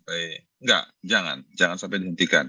program ini jangan sampai dihentikan